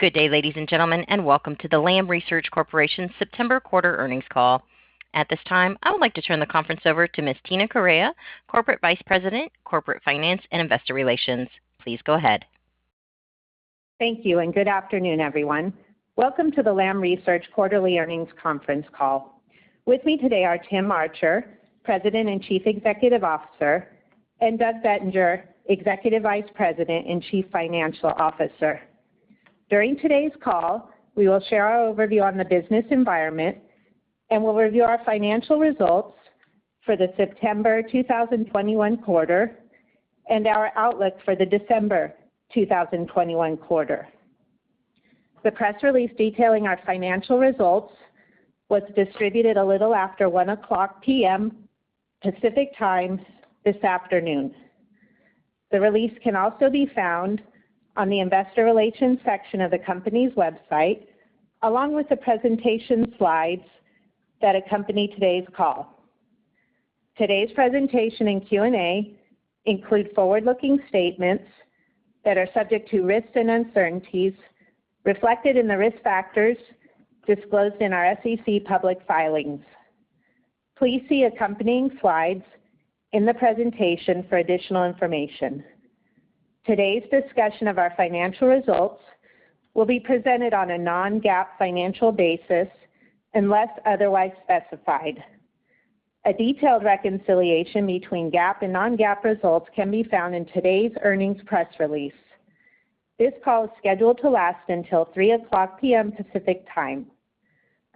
Good day, ladies and gentlemen, and welcome to the Lam Research Corporation September Quarter Earnings Call. At this time, I would like to turn the conference over to Ms. Tina Correia, Corporate Vice President, Corporate Finance, and Investor Relations. Please go ahead. Thank you, and good afternoon, everyone. Welcome to the Lam Research quarterly earnings conference call. With me today are Tim Archer, President and Chief Executive Officer, and Doug Bettinger, Executive Vice President and Chief Financial Officer. During today's call, we will share our overview on the business environment, and we'll review our financial results for the September 2021 quarter and our outlook for the December 2021 quarter. The press release detailing our financial results was distributed a little after 1:00 P.M. Pacific Time this afternoon. The release can also be found on the investor relations section of the company's website, along with the presentation slides that accompany today's call. Today's presentation and Q&A include forward-looking statements that are subject to risks and uncertainties reflected in the risk factors disclosed in our SEC public filings. Please see accompanying slides in the presentation for additional information. Today's discussion of our financial results will be presented on a non-GAAP financial basis unless otherwise specified. A detailed reconciliation between GAAP and non-GAAP results can be found in today's earnings press release. This call is scheduled to last until 3:00 P.M. Pacific Time.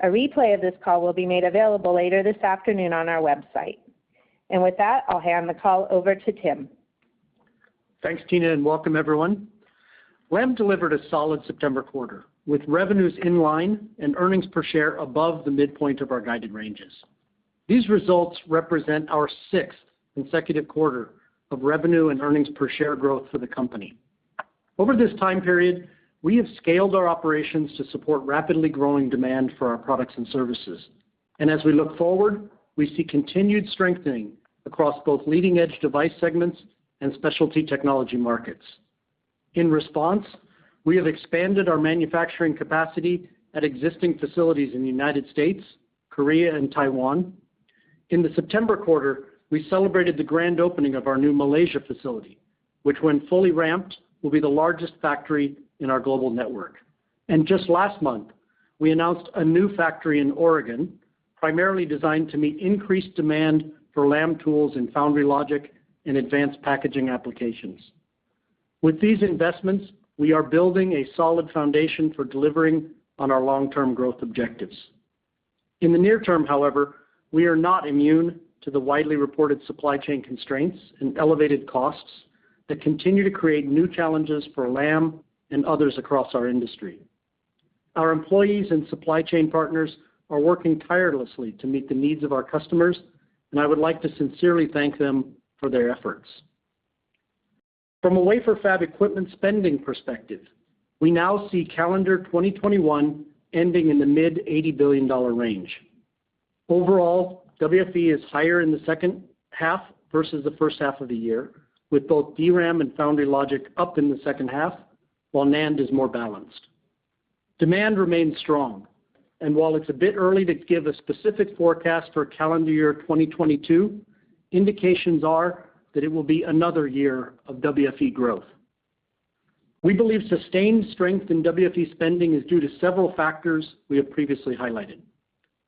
A replay of this call will be made available later this afternoon on our website. With that, I'll hand the call over to Tim. Thanks, Tina. Welcome everyone. Lam delivered a solid September quarter, with revenues in line and earnings per share above the midpoint of our guided ranges. These results represent our sixth consecutive quarter of revenue and earnings per share growth for the company. Over this time period, we have scaled our operations to support rapidly growing demand for our products and services. As we look forward, we see continued strengthening across both leading edge device segments and specialty technology markets. In response, we have expanded our manufacturing capacity at existing facilities in the United States, Korea, and Taiwan. In the September quarter, we celebrated the grand opening of our new Malaysia facility, which when fully ramped, will be the largest factory in our global network. Just last month, we announced a new factory in Oregon, primarily designed to meet increased demand for Lam tools in foundry logic and advanced packaging applications. With these investments, we are building a solid foundation for delivering on our long-term growth objectives. In the near term, however, we are not immune to the widely reported supply chain constraints and elevated costs that continue to create new challenges for Lam and others across our industry. Our employees and supply chain partners are working tirelessly to meet the needs of our customers, and I would like to sincerely thank them for their efforts. From a wafer fab equipment spending perspective, we now see calendar 2021 ending in the mid-$80 billion range. Overall, WFE is higher in the second half versus the first half of the year, with both DRAM and foundry logic up in the second half, while NAND is more balanced. Demand remains strong, and while it's a bit early to give a specific forecast for calendar year 2022, indications are that it will be another year of WFE growth. We believe sustained strength in WFE spending is due to several factors we have previously highlighted.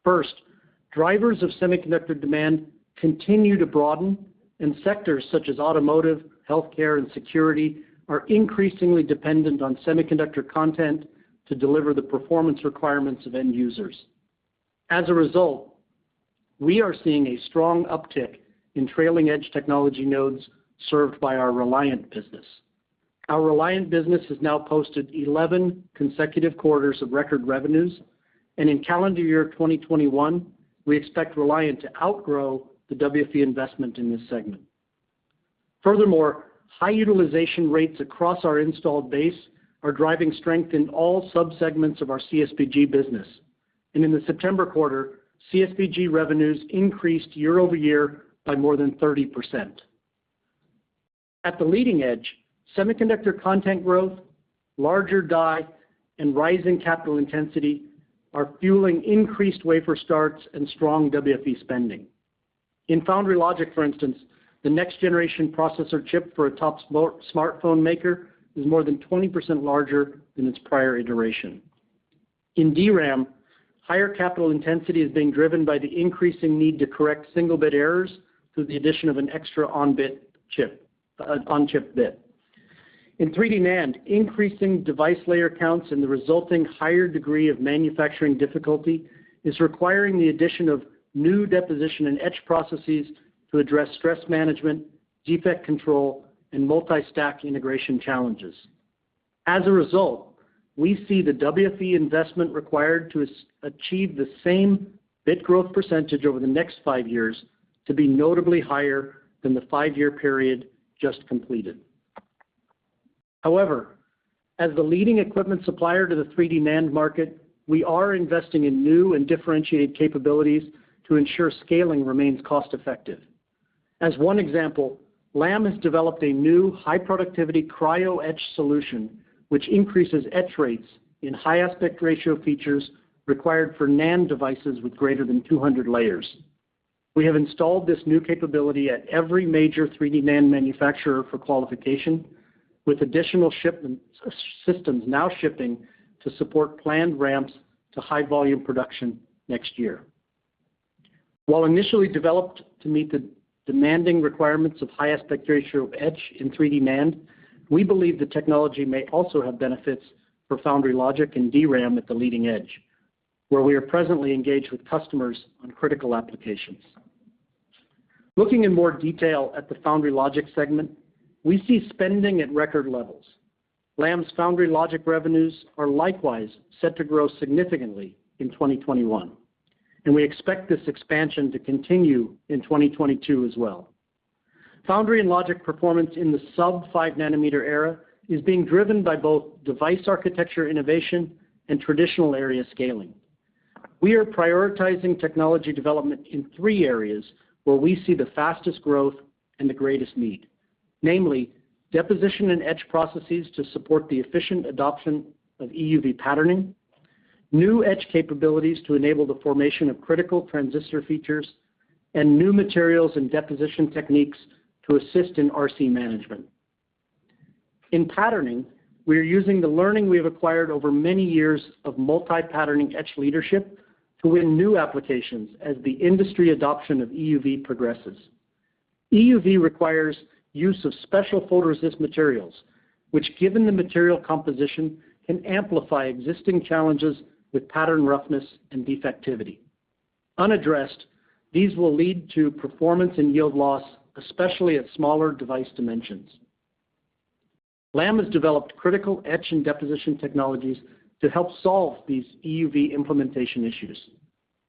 First, drivers of semiconductor demand continue to broaden, and sectors such as automotive, healthcare, and security are increasingly dependent on semiconductor content to deliver the performance requirements of end users. As a result, we are seeing a strong uptick in trailing edge technology nodes served by our Reliant business. Our Reliant business has now posted 11 consecutive quarters of record revenues, and in calendar year 2021, we expect Reliant to outgrow the WFE investment in this segment. Furthermore, high utilization rates across our installed base are driving strength in all subsegments of our CSBG business. In the September quarter, CSBG revenues increased year-over-year by more than 30%. At the leading edge, semiconductor content growth, larger die, and rising capital intensity are fueling increased wafer starts and strong WFE spending. In foundry logic, for instance, the next-generation processor chip for a top smartphone maker is more than 20% larger than its prior iteration. In DRAM, higher capital intensity is being driven by the increasing need to correct single-bit errors through the addition of an extra on-chip bit. In 3D NAND, increasing device layer counts and the resulting higher degree of manufacturing difficulty is requiring the addition of new deposition and etch processes to address stress management, defect control, and multi-stack integration challenges. We see the WFE investment required to achieve the same bit growth percentage over the next five years to be notably higher than the five-year period just completed. As the leading equipment supplier to the 3D NAND market, we are investing in new and differentiated capabilities to ensure scaling remains cost-effective. As one example, Lam has developed a new high productivity Cryo-Etch solution, which increases etch rates in high aspect ratio features required for NAND devices with greater than 200 layers. We have installed this new capability at every major 3D NAND manufacturer for qualification, with additional shipment systems now shipping to support planned ramps to high volume production next year. While initially developed to meet the demanding requirements of high aspect ratio etch in 3D NAND, we believe the technology may also have benefits for foundry logic and DRAM at the leading edge, where we are presently engaged with customers on critical applications. Looking in more detail at the foundry logic segment, we see spending at record levels. Lam's foundry logic revenues are likewise set to grow significantly in 2021, and we expect this expansion to continue in 2022 as well. Foundry and logic performance in the sub 5 nm era is being driven by both device architecture innovation and traditional area scaling. We are prioritizing technology development in three areas where we see the fastest growth and the greatest need, namely deposition and etch processes to support the efficient adoption of EUV patterning, new etch capabilities to enable the formation of critical transistor features, and new materials and deposition techniques to assist in RC management. In patterning, we are using the learning we have acquired over many years of multi-patterning etch leadership to win new applications as the industry adoption of EUV progresses. EUV requires use of special photoresist materials, which given the material composition, can amplify existing challenges with pattern roughness and defectivity. Unaddressed, these will lead to performance and yield loss, especially at smaller device dimensions. Lam has developed critical etch and deposition technologies to help solve these EUV implementation issues.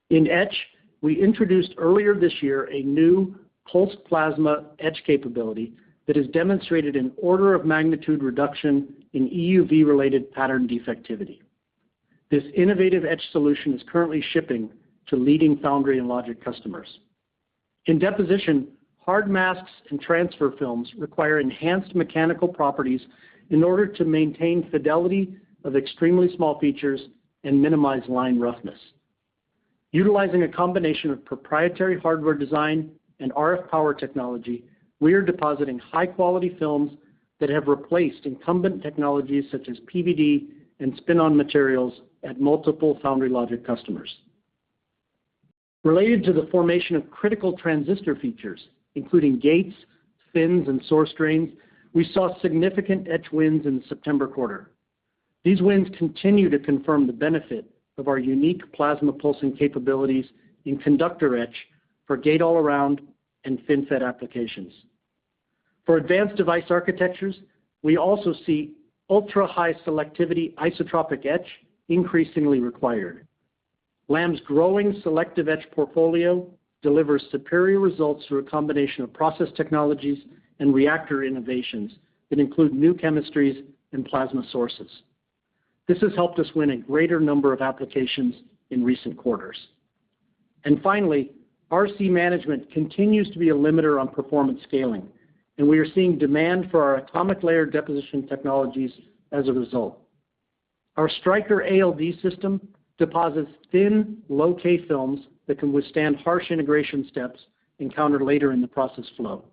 In etch, we introduced earlier this year a new pulse plasma etch capability that has demonstrated an order of magnitude reduction in EUV-related pattern defectivity. This innovative etch solution is currently shipping to leading foundry and logic customers. In deposition, hard masks and transfer films require enhanced mechanical properties in order to maintain fidelity of extremely small features and minimize line roughness. Utilizing a combination of proprietary hardware design and RF power technology, we are depositing high-quality films that have replaced incumbent technologies such as PVD and spin-on materials at multiple foundry logic customers. Related to the formation of critical transistor features, including gates, fins, and source drains, we saw significant etch wins in the September quarter. These wins continue to confirm the benefit of our unique plasma pulsing capabilities in conductor etch for gate-all-around and FinFET applications. For advanced device architectures, we also see ultra-high selectivity isotropic etch increasingly required. Lam's growing selective etch portfolio delivers superior results through a combination of process technologies and reactor innovations that include new chemistries and plasma sources. This has helped us win a greater number of applications in recent quarters. Finally, RC management continues to be a limiter on performance scaling, and we are seeing demand for our atomic layer deposition technologies as a result. Our Striker ALD system deposits thin, low-k films that can withstand harsh integration steps encountered later in the process flow.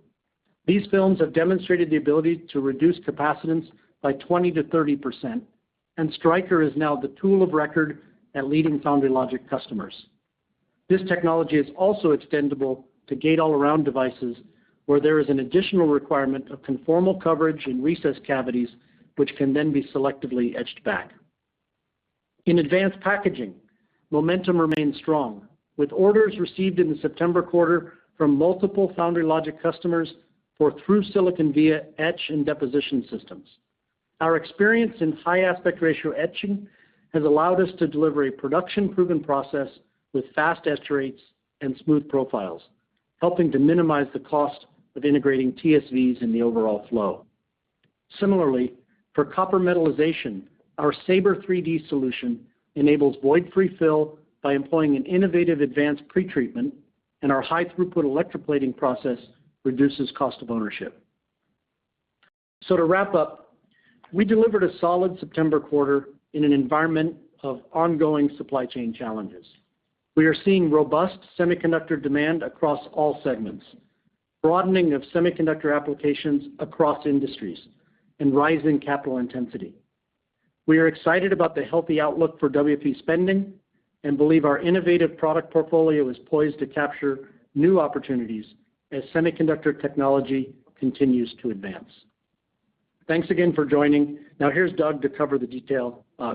These films have demonstrated the ability to reduce capacitance by 20%-30%, and Striker is now the tool of record at leading foundry logic customers. This technology is also extendable to gate-all-around devices where there is an additional requirement of conformal coverage in recessed cavities, which can then be selectively etched back. In advanced packaging, momentum remains strong, with orders received in the September quarter from multiple foundry logic customers for through silicon via etch and deposition systems. Our experience in high aspect ratio etching has allowed us to deliver a production-proven process with fast etch rates and smooth profiles, helping to minimize the cost of integrating TSVs in the overall flow. Similarly, for copper metallization, our SABRE 3D solution enables void-free fill by employing an innovative advanced pretreatment, and our high throughput electroplating process reduces cost of ownership. To wrap up, we delivered a solid September quarter in an environment of ongoing supply chain challenges. We are seeing robust semiconductor demand across all segments, broadening of semiconductor applications across industries, and rising capital intensity. We are excited about the healthy outlook for WFE spending and believe our innovative product portfolio is poised to capture new opportunities as semiconductor technology continues to advance. Thanks again for joining. Now here's Doug to cover the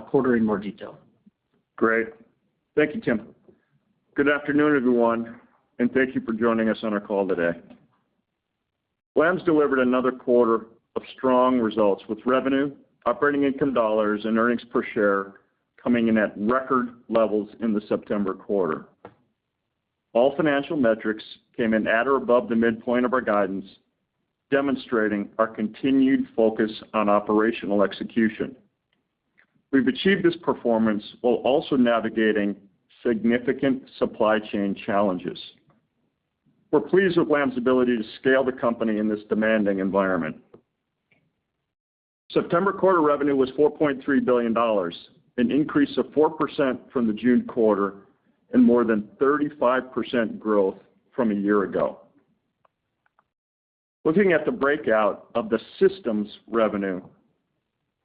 quarter in more detail. Great. Thank you, Tim. Good afternoon, everyone, and thank you for joining us on our call today. Lam's delivered another quarter of strong results with revenue, operating income dollars, and earnings per share coming in at record levels in the September quarter. All financial metrics came in at or above the midpoint of our guidance, demonstrating our continued focus on operational execution. We've achieved this performance while also navigating significant supply chain challenges. We're pleased with Lam's ability to scale the company in this demanding environment. September quarter revenue was $4.3 billion, an increase of 4% from the June quarter and more than 35% growth from a year ago. Looking at the breakout of the systems revenue,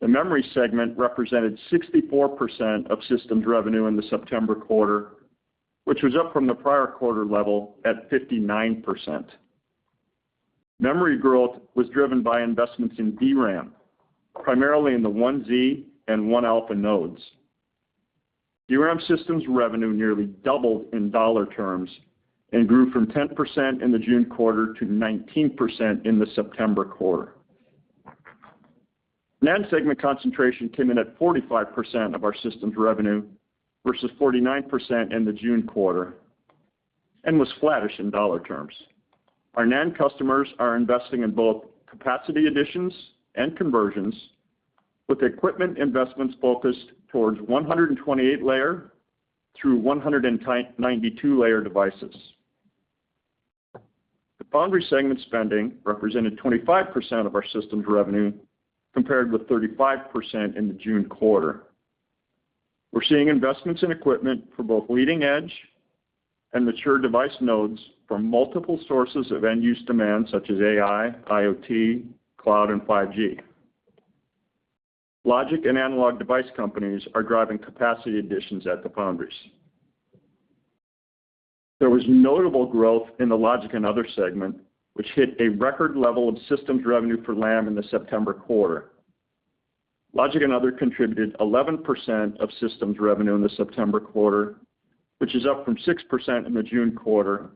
the memory segment represented 64% of systems revenue in the September quarter, which was up from the prior quarter level at 59%. Memory growth was driven by investments in DRAM, primarily in the 1z and 1-alpha nodes. DRAM systems revenue nearly doubled in dollar terms and grew from 10% in the June quarter to 19% in the September quarter. NAND segment concentration came in at 45% of our systems revenue versus 49% in the June quarter and was flattish in dollar terms. Our NAND customers are investing in both capacity additions and conversions, with equipment investments focused towards 128-layer through 192-layer devices. The foundry segment spending represented 25% of our systems revenue compared with 35% in the June quarter. We're seeing investments in equipment for both leading-edge and mature device nodes from multiple sources of end-use demand such as AI, IoT, cloud, and 5G. Logic and analog device companies are driving capacity additions at the foundries. There was notable growth in the logic and other segment, which hit a record level of systems revenue for Lam in the September quarter. Logic and other contributed 11% of systems revenue in the September quarter, which is up from 6% in the June quarter.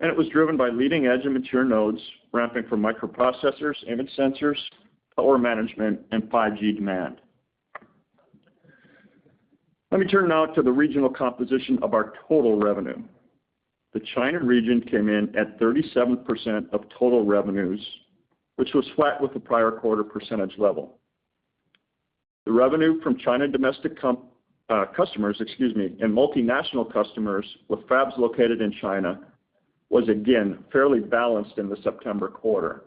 It was driven by leading-edge and mature nodes ramping for microprocessors, image sensors, power management, and 5G demand. Let me turn now to the regional composition of our total revenue. The China region came in at 37% of total revenues, which was flat with the prior quarter percentage level. The revenue from China domestic customers and multinational customers with fabs located in China was again fairly balanced in the September quarter.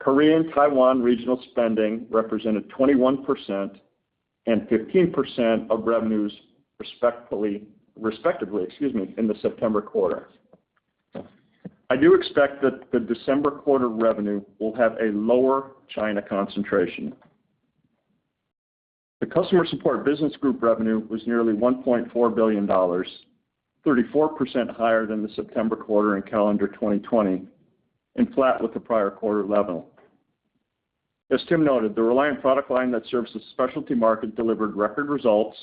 Korean, Taiwan regional spending represented 21% and 15% of revenues respectively in the September quarter. I do expect that the December quarter revenue will have a lower China concentration. The Customer Support Business Group revenue was nearly $1.4 billion, 34% higher than the September quarter in calendar 2020, and flat with the prior quarter level. As Tim noted, the Reliant product line that serves the specialty market delivered record results,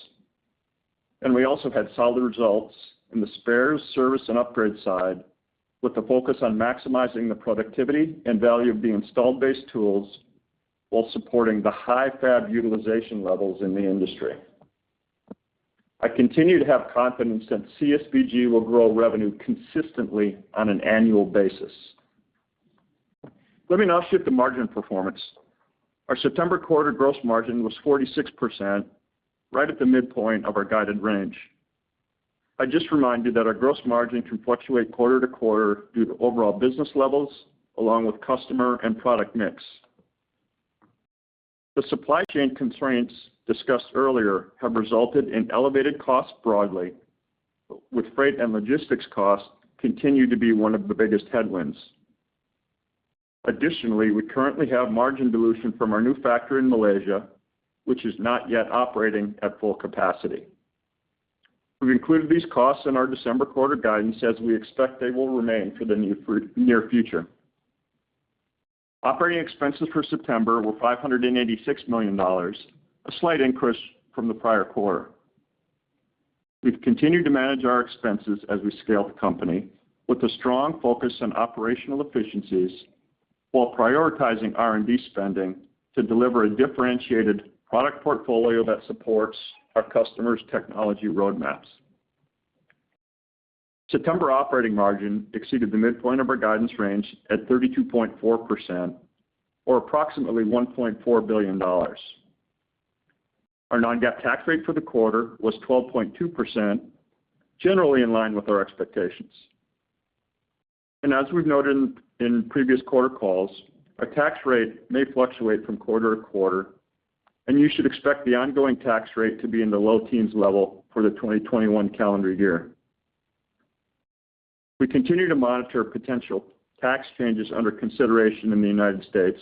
and we also had solid results in the spares, service, and upgrade side, with the focus on maximizing the productivity and value of the installed base tools while supporting the high fab utilization levels in the industry. I continue to have confidence that CSBG will grow revenue consistently on an annual basis. Let me now shift to margin performance. Our September quarter gross margin was 46%, right at the midpoint of our guided range. I just remind you that our gross margin can fluctuate quarter to quarter due to overall business levels along with customer and product mix. The supply chain constraints discussed earlier have resulted in elevated costs broadly, with freight and logistics costs continue to be one of the biggest headwinds. Additionally, we currently have margin dilution from our new factory in Malaysia, which is not yet operating at full capacity. We've included these costs in our December quarter guidance as we expect they will remain for the near future. Operating expenses for September were $586 million, a slight increase from the prior quarter. We've continued to manage our expenses as we scale the company with a strong focus on operational efficiencies while prioritizing R&D spending to deliver a differentiated product portfolio that supports our customers' technology roadmaps. September operating margin exceeded the midpoint of our guidance range at 32.4% or approximately $1.4 billion. Our non-GAAP tax rate for the quarter was 12.2%, generally in line with our expectations. As we've noted in previous quarter calls, our tax rate may fluctuate from quarter-to-quarter, and you should expect the ongoing tax rate to be in the low teens level for the 2021 calendar year. We continue to monitor potential tax changes under consideration in the United States,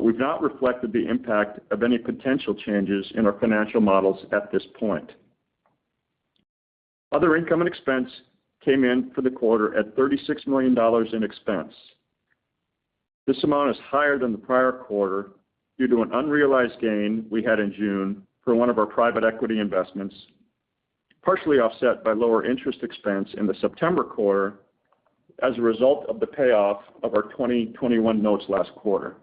we've not reflected the impact of any potential changes in our financial models at this point. Other income and expense came in for the quarter at $36 million in expense. This amount is higher than the prior quarter due to an unrealized gain we had in June for one of our private equity investments, partially offset by lower interest expense in the September quarter as a result of the payoff of our 2021 notes last quarter.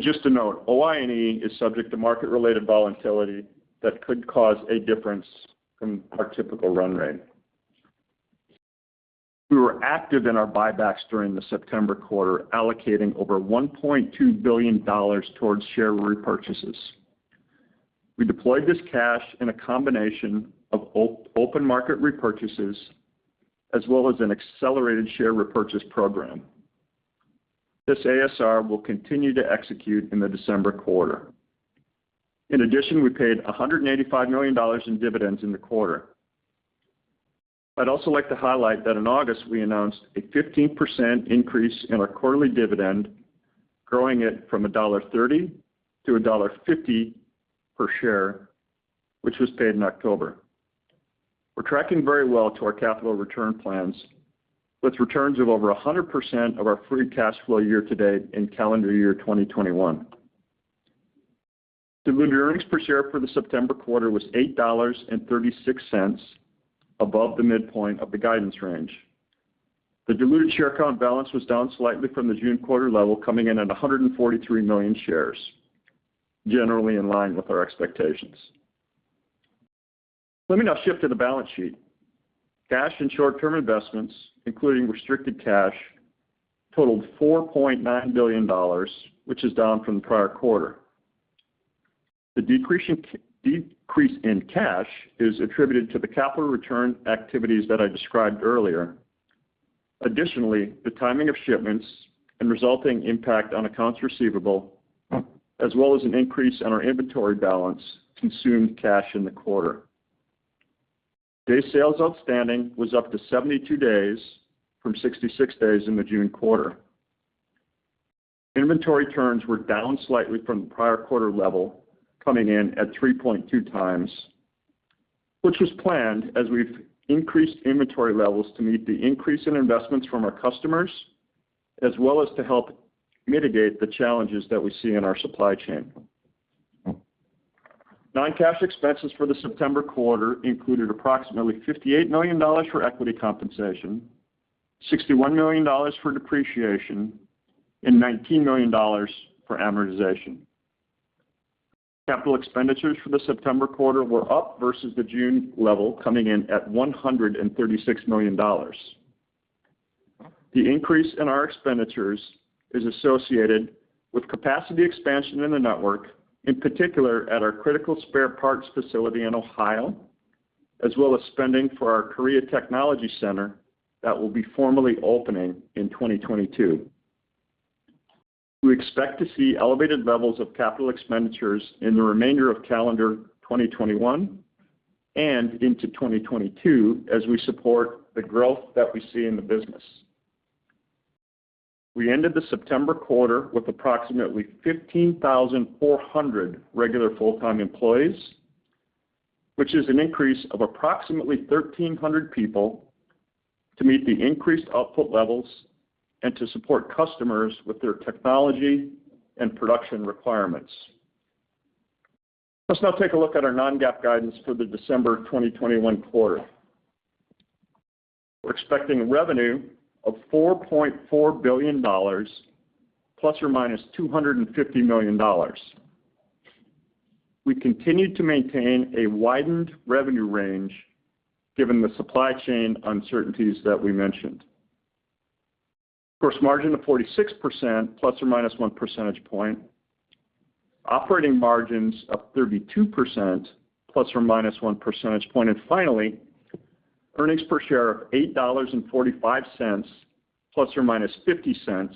Just to note, OI&E is subject to market-related volatility that could cause a difference from our typical run rate. We were active in our buybacks during the September quarter, allocating over $1.2 billion towards share repurchases. We deployed this cash in a combination of open market repurchases as well as an accelerated share repurchase program. This ASR will continue to execute in the December quarter. In addition, we paid $185 million in dividends in the quarter. I'd also like to highlight that in August, we announced a 15% increase in our quarterly dividend, growing it from $1.30 to $1.50 per share, which was paid in October. We're tracking very well to our capital return plans, with returns of over 100% of our free cash flow year-to-date in calendar year 2021. Diluted earnings per share for the September quarter was $8.36 above the midpoint of the guidance range. The diluted share count balance was down slightly from the June quarter level, coming in at 143 million shares, generally in line with our expectations. Let me now shift to the balance sheet. Cash and short-term investments, including restricted cash, totaled $4.9 billion, which is down from the prior quarter. The decrease in cash is attributed to the capital return activities that I described earlier. Additionally, the timing of shipments and resulting impact on accounts receivable, as well as an increase in our inventory balance consumed cash in the quarter. Days sales outstanding was up to 72 days from 66 days in the June quarter. Inventory turns were down slightly from the prior quarter level, coming in at 3.2x, which was planned as we've increased inventory levels to meet the increase in investments from our customers, as well as to help mitigate the challenges that we see in our supply chain. Non-cash expenses for the September quarter included approximately $58 million for equity compensation, $61 million for depreciation, and $19 million for amortization. Capital expenditures for the September quarter were up versus the June level, coming in at $136 million. The increase in our expenditures is associated with capacity expansion in the network, in particular at our critical spare parts facility in Ohio, as well as spending for our Korea Technology Center that will be formally opening in 2022. We expect to see elevated levels of capital expenditures in the remainder of calendar 2021 and into 2022 as we support the growth that we see in the business. We ended the September quarter with approximately 15,400 regular full-time employees, which is an increase of approximately 1,300 people to meet the increased output levels and to support customers with their technology and production requirements. Let's now take a look at our non-GAAP guidance for the December 2021 quarter. We're expecting revenue of $4.4 billion ±$250 million. We continue to maintain a widened revenue range given the supply chain uncertainties that we mentioned. Gross margin of 46% ±1 percentage point. Operating margins of 32% ±1 percentage point. Finally, earnings per share of $8.45 ±$0.50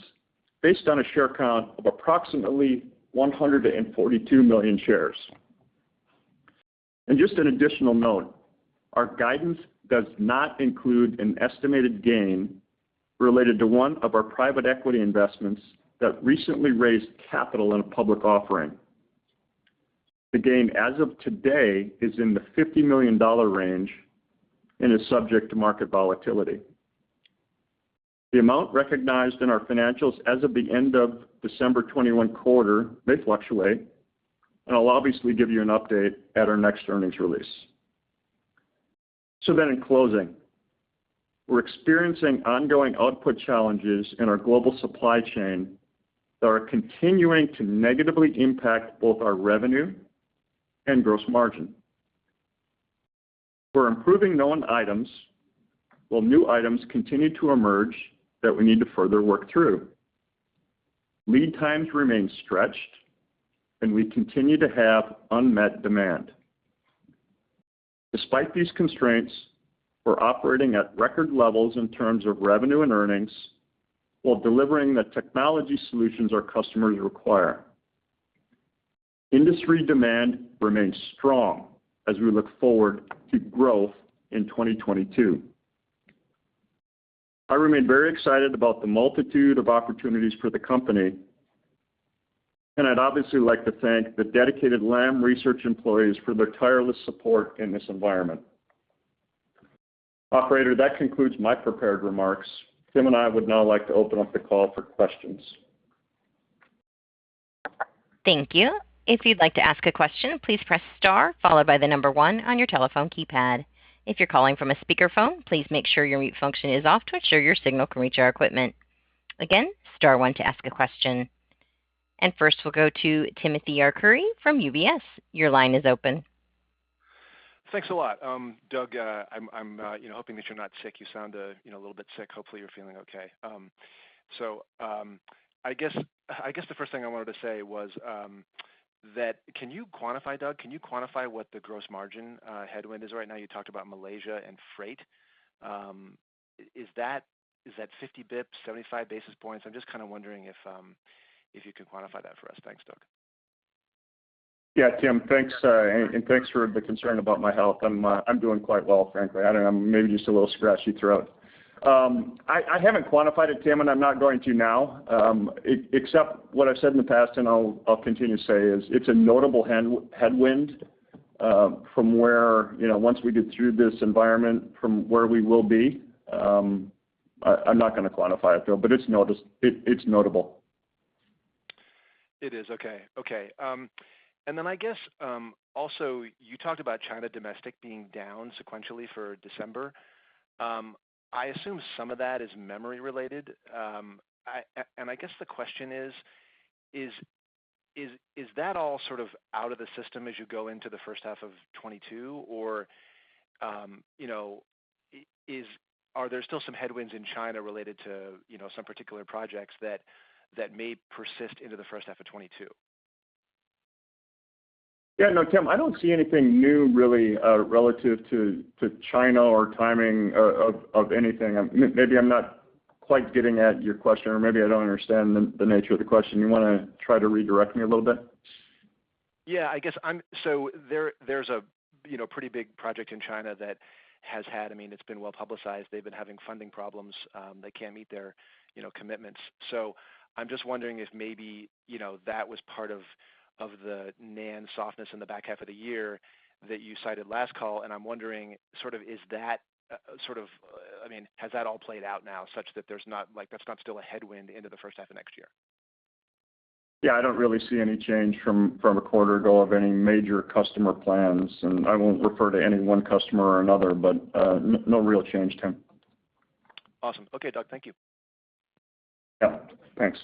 based on a share count of approximately 142 million shares. Just an additional note: Our guidance does not include an estimated gain related to one of our private equity investments that recently raised capital in a public offering. The gain, as of today, is in the $50 million range and is subject to market volatility. The amount recognized in our financials as of the end of December 21 quarter may fluctuate, and I'll obviously give you an update at our next earnings release. In closing, we're experiencing ongoing output challenges in our global supply chain that are continuing to negatively impact both our revenue and gross margin. We're improving known items while new items continue to emerge that we need to further work through. Lead times remain stretched, and we continue to have unmet demand. Despite these constraints, we're operating at record levels in terms of revenue and earnings while delivering the technology solutions our customers require. Industry demand remains strong as we look forward to growth in 2022. I remain very excited about the multitude of opportunities for the company, and I'd obviously like to thank the dedicated Lam Research employees for their tireless support in this environment. Operator, that concludes my prepared remarks. Tim and I would now like to open up the call for questions. Thank you. If you'd like to ask a question, please press star followed by the number one on your telephone keypad. If you're calling from a speakerphone, please make sure your mute function is off to ensure your signal can reach our equipment. Again, star one to ask a question. And first we'll go to Timothy Arcuri from UBS. Your line is open. Thanks a lot. Doug, I'm, you know, hoping that you're not sick. You sound, you know, a little bit sick. Hopefully, you're feeling okay. I guess the first thing I wanted to say was, that can you quantify, Doug, can you quantify what the gross margin headwind is right now? You talked about Malaysia and freight. Is that 50 basis points, 75 basis points? I'm just kind of wondering if you could quantify that for us. Thanks, Doug. Yeah, Tim, thanks. Thanks for the concern about my health. I'm doing quite well, frankly. I don't know, maybe just a little scratchy throat. I haven't quantified it, Tim, and I'm not going to now. except what I've said in the past, and I'll continue to say is it's a notable headwind from where, you know, once we get through this environment from where we will be. I'm not gonna quantify it though, but it's notable. It is. Okay, okay. I guess, also you talked about China domestic being down sequentially for December. I assume some of that is memory related. I guess the question is that all sort of out of the system as you go into the first half of 2022? You know, are there still some headwinds in China related to, you know, some particular projects that may persist into the first half of 2022? Yeah, no, Tim, I don't see anything new really relative to China or timing of anything. Maybe I'm not quite getting at your question, or maybe I don't understand the nature of the question. You wanna try to redirect me a little bit? There's a, you know, pretty big project in China that has had, I mean, it's been well-publicized. They've been having funding problems. They can't meet their, you know, commitments. I'm just wondering if maybe, you know, that was part of the NAND softness in the back half of the year that you cited last call. I'm wondering sort of is that, sort of, I mean, has that all played out now such that there's not, like, that's not still a headwind into the first half of next year? Yeah, I don't really see any change from a quarter ago of any major customer plans, and I won't refer to any one customer or another, but no real change, Tim. Awesome. Okay, Doug. Thank you. Yeah, thanks.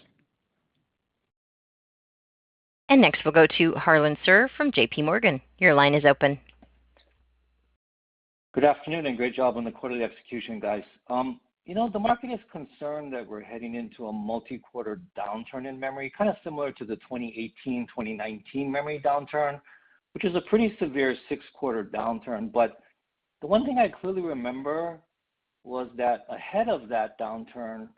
Next, we'll go to Harlan Sur from JPMorgan. Your line is open. Good afternoon, and great job on the quarterly execution, guys. You know, the market is concerned that we're heading into a multi-quarter downturn in memory, kind of similar to the 2018, 2019 memory downturn, which is a pretty severe six quarter downturn. The one thing I clearly remember was that ahead of that downturn,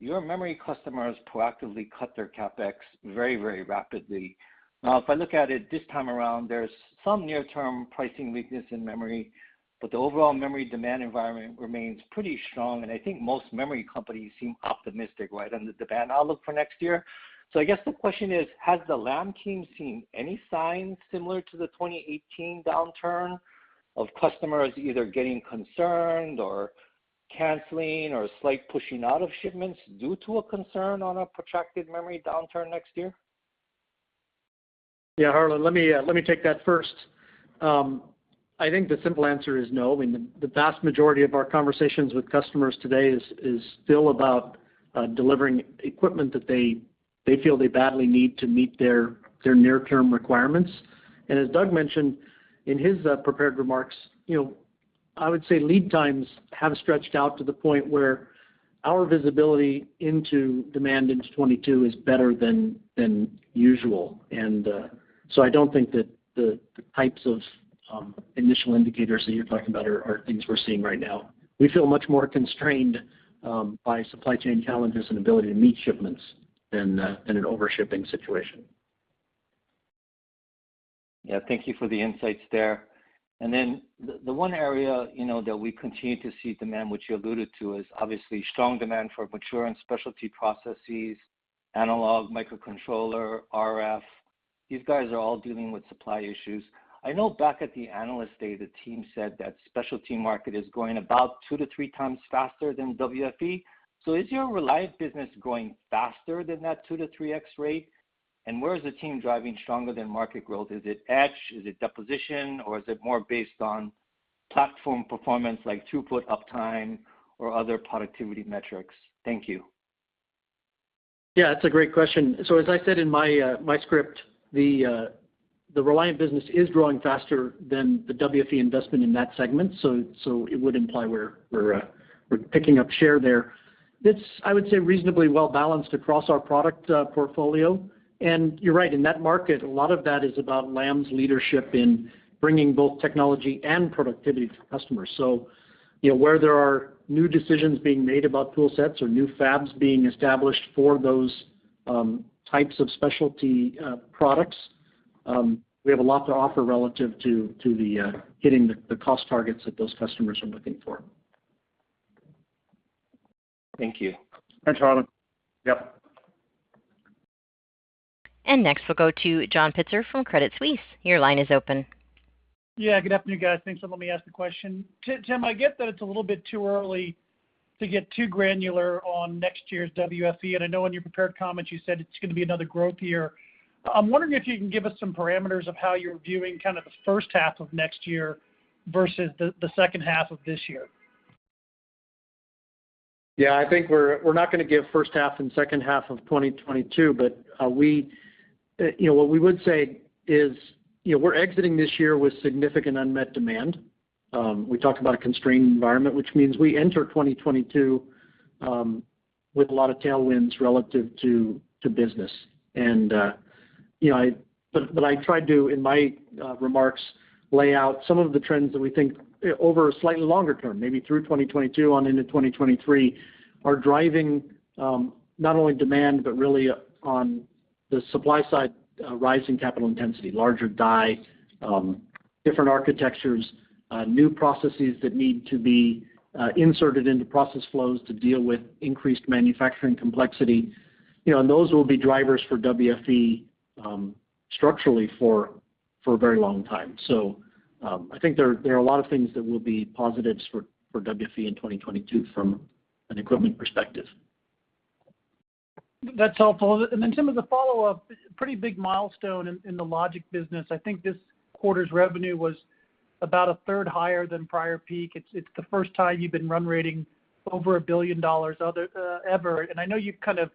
your memory customers proactively cut their CapEx very rapidly. Now, if I look at it this time around, there's some near-term pricing weakness in memory, but the overall memory demand environment remains pretty strong, and I think most memory companies seem optimistic, right, on the demand outlook for next year. I guess the question is, has the Lam team seen any signs similar to the 2018 downturn of customers either getting concerned or canceling or slight pushing out of shipments due to a concern on a protracted memory downturn next year? Yeah, Harlan, let me take that first. I think the simple answer is no. I mean, the vast majority of our conversations with customers today is still about delivering equipment that they feel they badly need to meet their near-term requirements. As Doug mentioned in his prepared remarks, you know, I would say lead times have stretched out to the point where our visibility into demand into 2022 is better than usual. I don't think that the types of initial indicators that you're talking about are things we're seeing right now. We feel much more constrained by supply chain challenges and ability to meet shipments than an over-shipping situation. Yeah. Thank you for the insights there. Then the one area, you know, that we continue to see demand, which you alluded to, is obviously strong demand for mature and specialty processes, analog, microcontroller, RF. These guys are all dealing with supply issues. I know back at the Analyst Day, the team said that specialty market is growing about 2x-3x faster than WFE. Is your Reliant business growing faster than that 2x-3x rate? Where is the team driving stronger than market growth? Is it etch, is it deposition, or is it more based on platform performance like throughput, uptime, or other productivity metrics? Thank you. Yeah, that's a great question. As I said in my script, the Reliant business is growing faster than the WFE investment in that segment. It would imply we're picking up share there. It's, I would say, reasonably well-balanced across our product portfolio. You're right, in that market, a lot of that is about Lam's leadership in bringing both technology and productivity to customers. You know, where there are new decisions being made about tool sets or new fabs being established for those types of specialty products, we have a lot to offer relative to hitting the cost targets that those customers are looking for. Thank you. Thanks, Harlan. Yep. Next, we'll go to John Pitzer from Credit Suisse. Your line is open. Good afternoon, guys. Thanks for letting me ask the question. Tim, I get that it's a little bit too early to get too granular on next year's WFE, and I know in your prepared comments you said it's gonna be another growth year. I'm wondering if you can give us some parameters of how you're viewing kind of the first half of next year versus the second half of this year. Yeah, I think we're not gonna give first half and second half of 2022. We, you know, what we would say is, you know, we're exiting this year with significant unmet demand. We talked about a constrained environment, which means we enter 2022 with a lot of tailwinds relative to business. You know, I tried to, in my remarks, lay out some of the trends that we think over a slightly longer term, maybe through 2022 on into 2023, are driving not only demand, but really on the supply side, rising capital intensity, larger die, different architectures, new processes that need to be inserted into process flows to deal with increased manufacturing complexity. You know, those will be drivers for WFE, structurally for a very long time. I think there are a lot of things that will be positives for WFE in 2022 from an equipment perspective. That's helpful. Then Tim, as a follow-up, pretty big milestone in the logic business. I think this quarter's revenue was about 1/3 higher than prior peak. It's the first time you've been run rating over $1 billion ever. I know you've kind of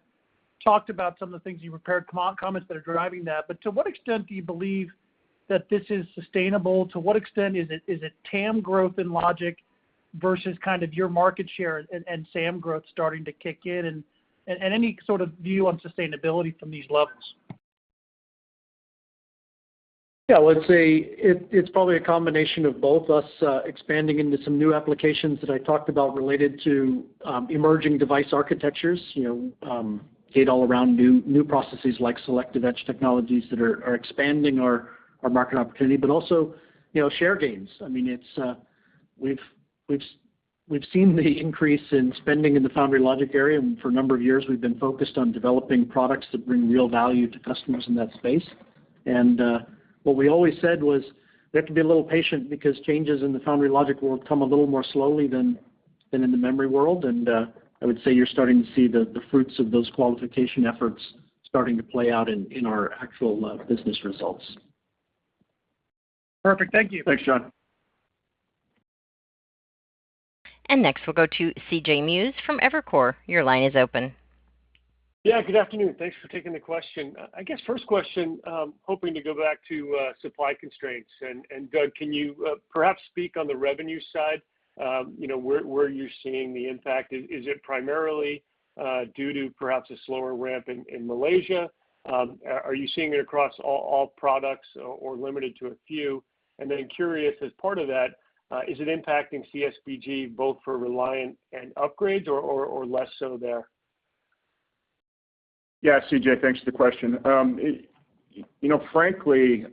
talked about some of the things you've prepared comments that are driving that, but to what extent do you believe that this is sustainable? To what extent is it TAM growth in logic versus kind of your market share and SAM growth starting to kick in? Any sort of view on sustainability from these levels? Yeah. I would say it's probably a combination of both us expanding into some new applications that I talked about related to emerging device architectures. You know, gate-all-around new processes like selective etch technologies that are expanding our market opportunity, but also, you know, share gains. I mean, it's We've seen the increase in spending in the foundry logic area, and for a number of years, we've been focused on developing products that bring real value to customers in that space. What we always said was we have to be a little patient because changes in the foundry logic will come a little more slowly than in the memory world. I would say you're starting to see the fruits of those qualification efforts starting to play out in our actual business results. Perfect. Thank you. Thanks, John. Next, we'll go to CJ Muse from Evercore. Yeah. Good afternoon. Thanks for taking the question. I guess first question, hoping to go back to supply constraints. Doug, can you perhaps speak on the revenue side, you know, where you're seeing the impact? Is it primarily due to perhaps a slower ramp in Malaysia? Are you seeing it across all products or limited to a few? Curious as part of that, is it impacting CSBG both for Reliant and upgrades or less so there? CJ, thanks for the question. You know, frankly,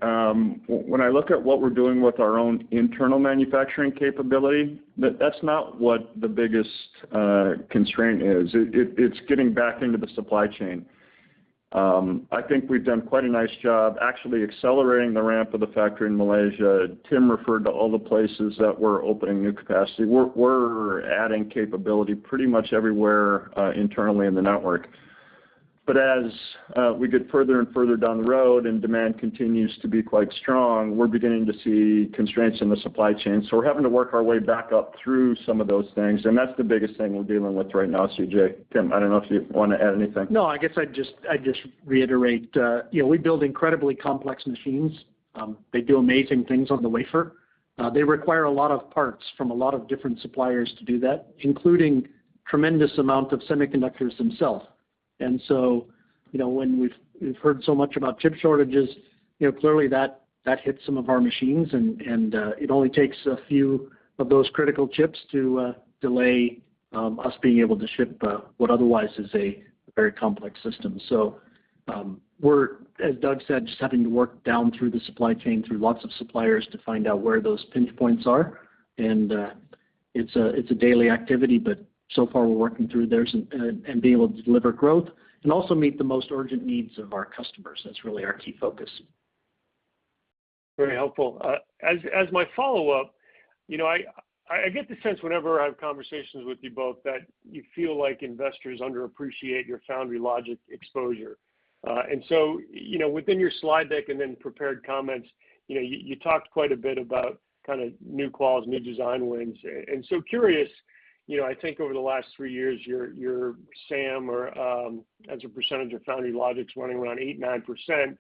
when I look at what we're doing with our own internal manufacturing capability, that's not what the biggest constraint is. It's getting back into the supply chain. I think we've done quite a nice job actually accelerating the ramp of the factory in Malaysia. Tim referred to all the places that we're opening new capacity. We're adding capability pretty much everywhere internally in the network. As we get further and further down the road and demand continues to be quite strong, we're beginning to see constraints in the supply chain. We're having to work our way back up through some of those things, and that's the biggest thing we're dealing with right now, CJ. Tim, I don't know if you wanna add anything. No, I guess I'd just reiterate, you know, we build incredibly complex machines. They do amazing things on the wafer. They require a lot of parts from a lot of different suppliers to do that, including tremendous amount of semiconductors themselves. When we've heard so much about chip shortages, you know, clearly that hits some of our machines and it only takes a few of those critical chips to delay us being able to ship what otherwise is a very complex system. We're, as Doug said, just having to work down through the supply chain through lots of suppliers to find out where those pinch points are. It's a daily activity, but so far we're working through those and being able to deliver growth and also meet the most urgent needs of our customers. That's really our key focus. Very helpful. As my follow-up, you know, I get the sense whenever I have conversations with you both that you feel like investors underappreciate your foundry logic exposure. Within your slide deck and then prepared comments, you know, you talked quite a bit about kinda new quals, new design wins. Curious, you know, I think over the last three years, your SAM or as a percentage of foundry logic's running around 8%, 9%,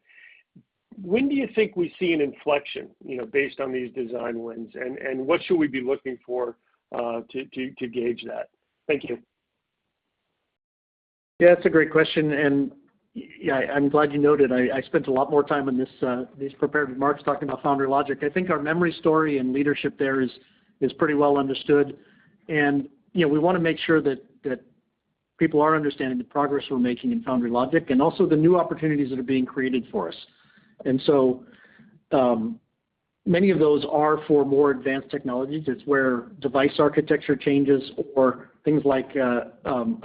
when do you think we see an inflection, you know, based on these design wins? What should we be looking for to gauge that? Thank you. That's a great question. I'm glad you noted. I spent a lot more time on these prepared remarks talking about foundry logic. I think our memory story and leadership there is pretty well understood. You know, we want to make sure that people are understanding the progress we're making in foundry logic and also the new opportunities that are being created for us. Many of those are for more advanced technologies. It's where device architecture changes or things like a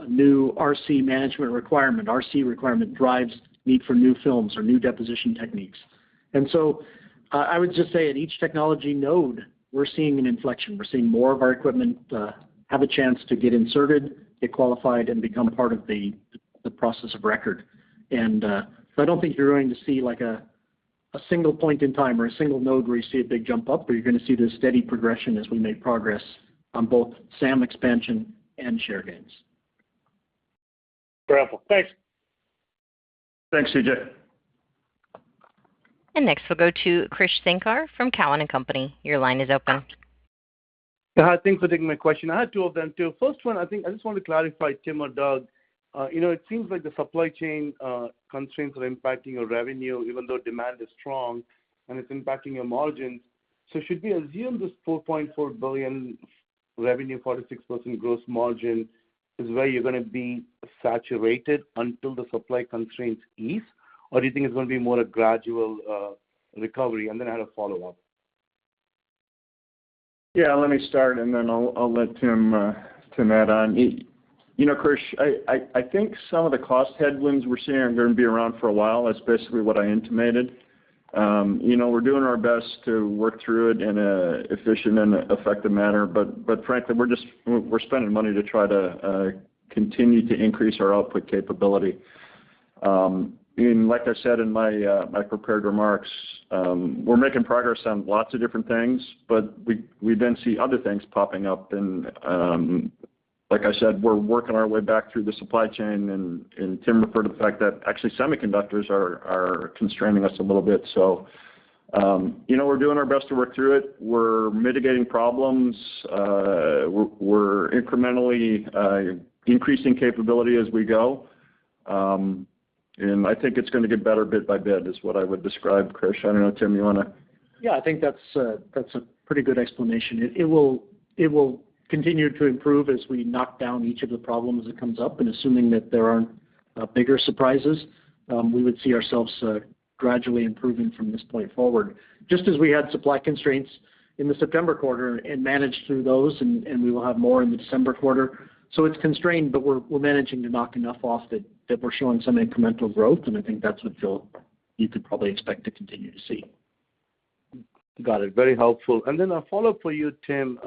new RC management requirement. RC requirement drives need for new films or new deposition techniques. I would just say at each technology node, we're seeing an inflection. We're seeing more of our equipment have a chance to get inserted, get qualified, and become part of the process of record. I don't think you're going to see like a single point in time or a single node where you see a big jump up, but you're gonna see the steady progression as we make progress on both SAM expansion and share gains. Wonderful. Thanks. Thanks, CJ. Next we'll go to Krish Sankar from Cowen and Company. Your line is open. Yeah. Thanks for taking my question. I had two of them too. First one, I think I just want to clarify, Tim or Doug, you know, it seems like the supply chain constraints are impacting your revenue even though demand is strong, and it's impacting your margins. Should we assume this $4.4 billion revenue, 46% gross margin is where you're gonna be saturated until the supply constraints ease? Or do you think it's gonna be more a gradual recovery? Then I had a follow-up. Yeah, let me start, and then I'll let Tim add on. You know, Krish, I think some of the cost headwinds we're seeing are gonna be around for a while. That's basically what I intimated. You know, we're doing our best to work through it in a efficient and effective manner, but frankly, we're spending money to try to continue to increase our output capability. Like I said in my prepared remarks, we're making progress on lots of different things, but we then see other things popping up. Like I said, we're working our way back through the supply chain, and Tim referred to the fact that actually semiconductors are constraining us a little bit. You know, we're doing our best to work through it. We're mitigating problems. We're incrementally increasing capability as we go. I think it's gonna get better bit by bit is what I would describe, Krish. I don't know, Tim, you wanna. Yeah, I think that's a pretty good explanation. It will continue to improve as we knock down each of the problems that comes up. Assuming that there aren't bigger surprises, we would see ourselves gradually improving from this point forward. Just as we had supply constraints in the September quarter and managed through those, and we will have more in the December quarter. It's constrained, but we're managing to knock enough off that we're showing some incremental growth, and I think that's what you could probably expect to continue to see. Got it. Very helpful. Then a follow-up for you, Tim.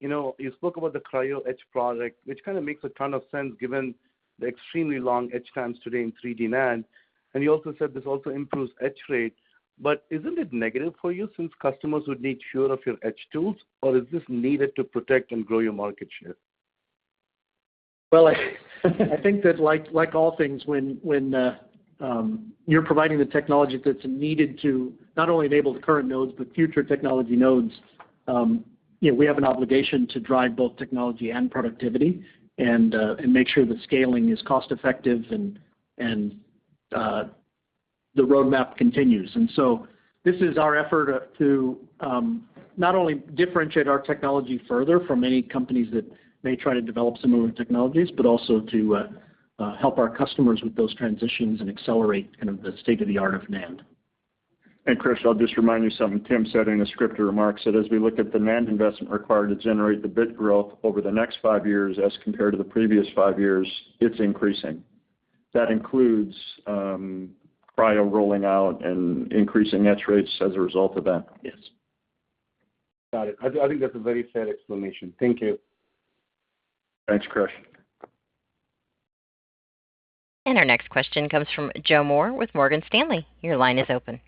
you know, you spoke about the Cryo-Etch product, which kind of makes a ton of sense given the extremely long etch times today in 3D NAND. you also said this also improves etch rate. isn't it negative for you since customers would need fewer of your etch tools, or is this needed to protect and grow your market share? Well, I think that like all things, when you're providing the technology that's needed to not only enable the current nodes but future technology nodes, you know, we have an obligation to drive both technology and productivity and make sure the scaling is cost effective and the roadmap continues. This is our effort to not only differentiate our technology further from any companies that may try to develop similar technologies, but also to help our customers with those transitions and accelerate kind of the state-of-the-art of NAND. Krish, I'll just remind you something Tim said in his scripted remarks, that as we look at the NAND investment required to generate the bit growth over the next five years as compared to the previous five years, it's increasing. That includes Cryo rolling out and increasing etch rates as a result of that. Yes. Got it. I think that's a very fair explanation. Thank you. Thanks, Krish. Our next question comes from Joe Moore with Morgan Stanley. Your line is open.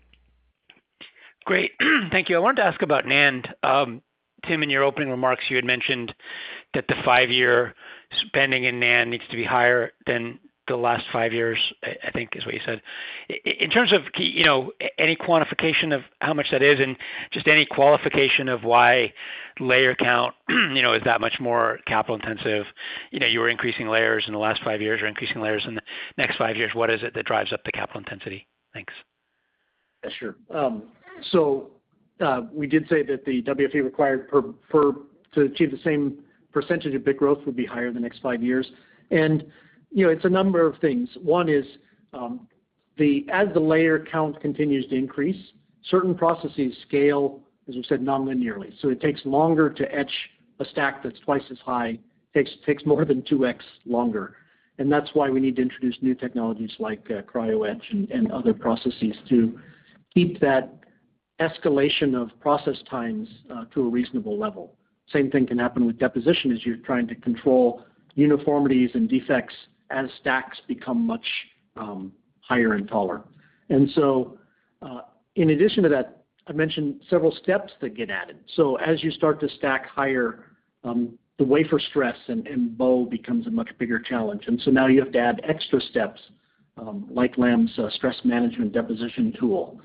Great. Thank you. I wanted to ask about NAND. Tim, in your opening remarks, you had mentioned that the five-year spending in NAND needs to be higher than the last five years, I think is what you said. In terms of any quantification of how much that is and just any qualification of why layer count, you know, is that much more capital intensive. You know, you were increasing layers in the last five years. You're increasing layers in the next five years. What is it that drives up the capital intensity? Thanks. Yeah, sure. We did say that the WFE required per to achieve the same percentage of bit growth would be higher in the next five years. You know, it's a number of things. One is, as the layer count continues to increase, certain processes scale, as we've said, non-linearly. It takes longer to etch a stack that's twice as high. It takes more than 2x longer, and that's why we need to introduce new technologies like Cryo-Etch and other processes to keep that escalation of process times to a reasonable level. Same thing can happen with deposition as you're trying to control uniformities and defects as stacks become much higher and taller. In addition to that, I mentioned several steps that get added. As you start to stack higher, the wafer stress and bow becomes a much bigger challenge. Now you have to add extra steps, like Lam's stress management deposition tool.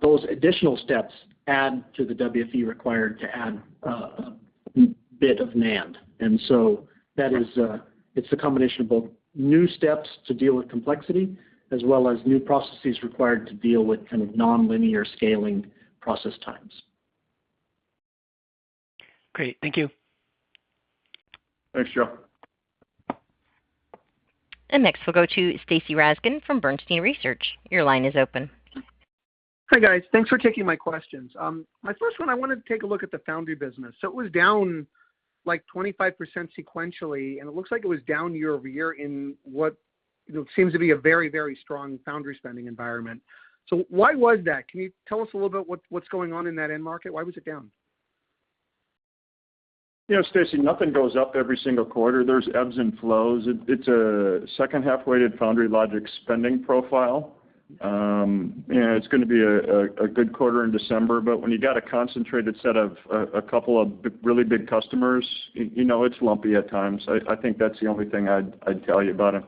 Those additional steps add to the WFE required to add a bit of NAND. That is, it's a combination of both new steps to deal with complexity as well as new processes required to deal with kind of nonlinear scaling process times. Great. Thank you. Thanks, Joe. Next we'll go to Stacy Rasgon from Bernstein Research. Your line is open. Hi, guys. Thanks for taking my questions. My first one, I wanted to take a look at the foundry business. It was down, like, 25% sequentially, and it looks like it was down year-over-year in what, you know, seems to be a very, very strong foundry spending environment. Why was that? Can you tell us a little bit what's going on in that end market? Why was it down? You know, Stacy, nothing goes up every single quarter. There's ebbs and flows. It's a second half-weighted foundry logic spending profile. It's gonna be a good quarter in December. When you got a concentrated set of a couple of really big customers, you know, it's lumpy at times. I think that's the only thing I'd tell you about it.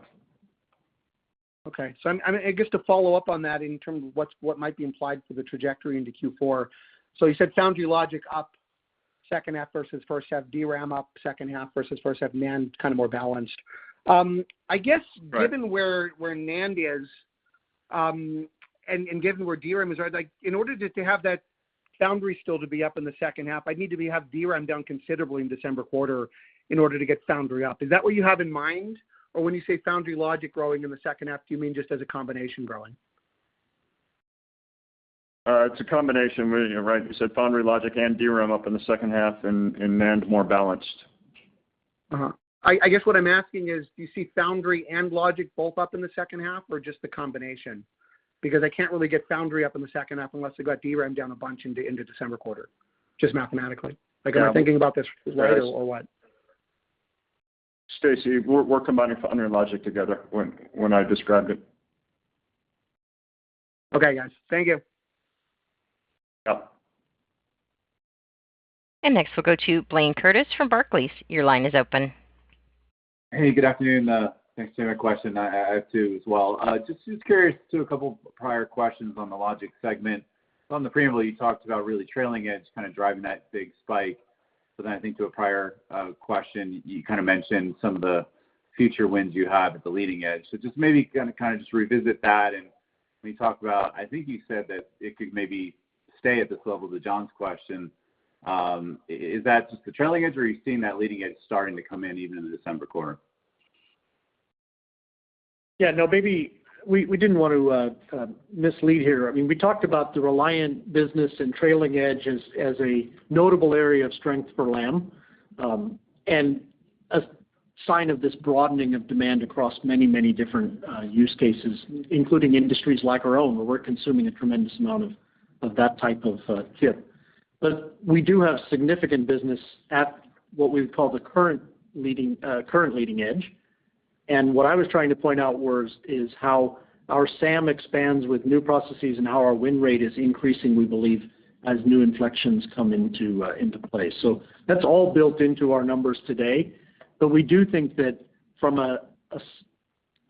Okay. I mean, I guess to follow up on that in terms of what's, what might be implied for the trajectory into Q4. You said foundry logic up second half versus first half, DRAM up second half versus first half, NAND kind of more balanced. Right. Given where NAND is, and given where DRAM is, right, like in order to have that foundry still to be up in the second half, I need to have DRAM down considerably in December quarter in order to get foundry up. Is that what you have in mind? Or when you say foundry logic growing in the second half, do you mean just as a combination growing? It's a combination, really. You're right, we said foundry logic and DRAM up in the second half and NAND more balanced. I guess what I'm asking is do you see foundry and logic both up in the second half or just the combination? I can't really get foundry up in the second half unless I got DRAM down a bunch into December quarter, just mathematically. Yeah. Like, am I thinking about this right or what? Stacy, we're combining foundry and logic together when I described it. Okay, guys. Thank you. Yep. Next we'll go to Blayne Curtis from Barclays. Your line is open. Hey, good afternoon. Thanks. Same question I have too as well. Just curious to a couple prior questions on the logic segment. On the preamble, you talked about really trailing edge kind of driving that big spike. Then I think to a prior question, you kind of mentioned some of the future wins you have at the leading edge. Just maybe kind of just revisit that and can you talk about, I think you said that it could maybe stay at this level, to John's question. Is that just the trailing edge or are you seeing that leading edge starting to come in even in the December quarter? Maybe we didn't want to mislead here. I mean, we talked about the Reliant business and trailing edge as a notable area of strength for Lam, and a sign of this broadening of demand across many different use cases, including industries like our own, where we're consuming a tremendous amount of that type of chip. We do have significant business at what we would call the current leading edge. What I was trying to point out was how our SAM expands with new processes and how our win rate is increasing, we believe, as new inflections come into play. That's all built into our numbers today. We do think that from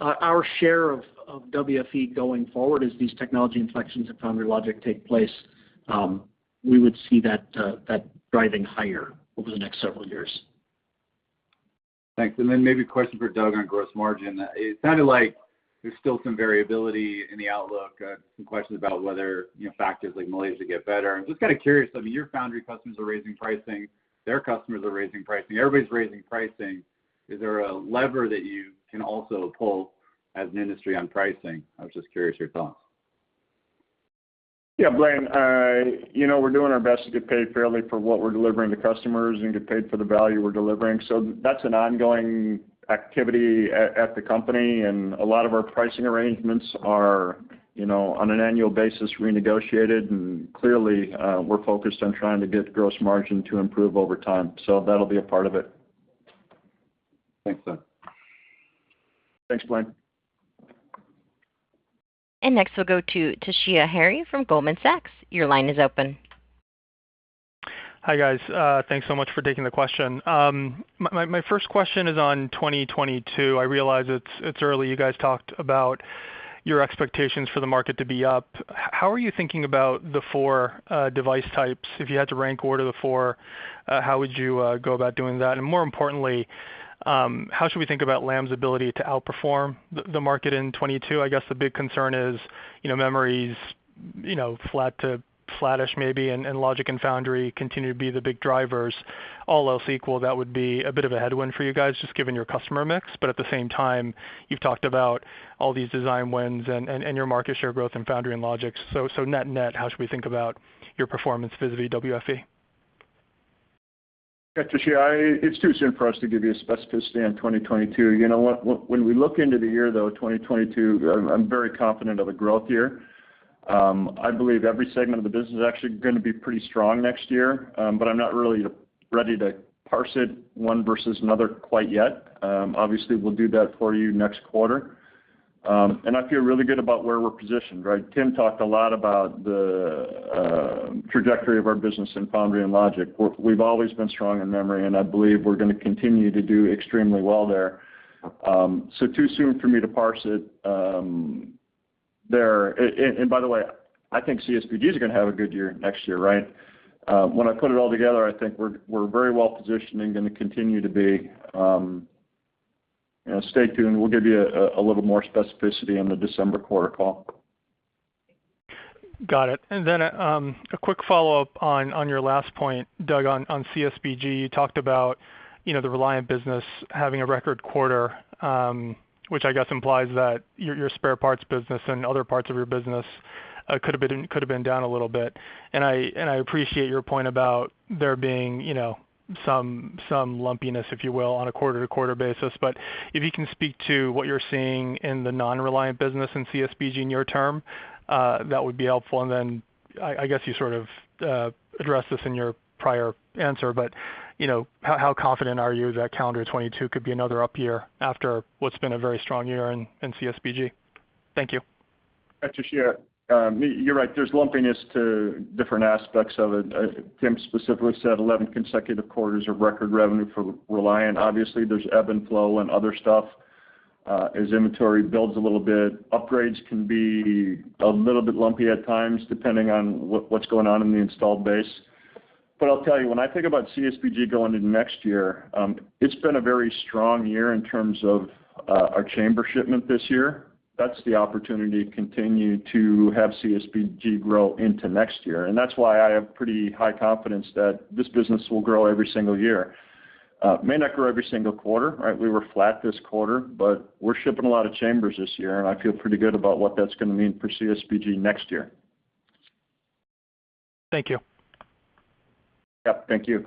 our share of WFE going forward as these technology inflections and foundry logic take place, we would see that driving higher over the next several years. Thanks. Maybe a question for Doug on gross margin. It sounded like there's still some variability in the outlook, some questions about whether, you know, factors like Malaysia get better. I'm just kind of curious, I mean, your foundry customers are raising pricing, their customers are raising pricing, everybody's raising pricing. Is there a lever that you can also pull as an industry on pricing? I was just curious your thoughts. Yeah, Blayne. You know, we're doing our best to get paid fairly for what we're delivering to customers and get paid for the value we're delivering. That's an ongoing activity at the company. A lot of our pricing arrangements are, you know, on an annual basis renegotiated. Clearly, we're focused on trying to get gross margin to improve over time. That'll be a part of it. Thanks, Doug. Thanks, Blayne. Next we'll go to Toshiya Hari from Goldman Sachs. Your line is open. Hi, guys. Thanks so much for taking the question. My first question is on 2022. I realize it's early. You guys talked about your expectations for the market to be up. How are you thinking about the four device types? If you had to rank order the four, how would you go about doing that? More importantly, how should we think about Lam's ability to outperform the market in 2022? I guess the big concern is, you know, memory's, you know, flat to flattish maybe, and logic and foundry continue to be the big drivers. All else equal, that would be a bit of a headwind for you guys, just given your customer mix. At the same time, you've talked about all these design wins and your market share growth in foundry and logic. Net net, how should we think about your performance vis-a-vis WFE? Yeah, Toshiya, it's too soon for us to give you a specificity on 2022. You know what, when we look into the year though, 2022, I'm very confident of a growth year. I believe every segment of the business is actually gonna be pretty strong next year, but I'm not really ready to parse it 1 versus another quite yet. Obviously we'll do that for you next quarter. I feel really good about where we're positioned, right? Tim talked a lot about the trajectory of our business in foundry and logic. We've always been strong in memory, and I believe we're gonna continue to do extremely well there. Too soon for me to parse it there. By the way, I think CSBG is gonna have a good year next year, right? When I put it all together, I think we're very well positioned and gonna continue to be. You know, stay tuned. We'll give you a little more specificity on the December quarter call. Got it. A quick follow-up on your last point, Doug, on CSBG. You talked about, you know, the Reliant business having a record quarter, which I guess implies that your spare parts business and other parts of your business could have been down a little bit. I appreciate your point about there being, you know, some lumpiness, if you will, on a quarter-to-quarter basis. If you can speak to what you're seeing in the non-Reliant business in CSBG in your term, that would be helpful. I guess you sort of addressed this in your prior answer, you know, how confident are you that calendar 2022 could be another up year after what's been a very strong year in CSBG? Thank you. Actually, yeah, you're right, there's lumpiness to different aspects of it. Tim specifically said 11 consecutive quarters of record revenue for Reliant. Obviously, there's ebb and flow and other stuff, as inventory builds a little bit. Upgrades can be a little bit lumpy at times, depending on what's going on in the installed base. I'll tell you, when I think about CSBG going into next year, it's been a very strong year in terms of our chamber shipment this year. That's the opportunity to continue to have CSBG grow into next year, that's why I have pretty high confidence that this business will grow every single year. It may not grow every single quarter, right? We were flat this quarter, but we're shipping a lot of chambers this year, and I feel pretty good about what that's gonna mean for CSBG next year. Thank you. Yep, thank you.